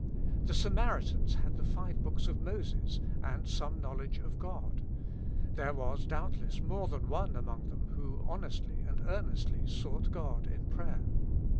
The Samaritans had the five books of Moses and some knowledge of God ; there was doubtless more than one among them who honestly and earnestly sought God in prayer.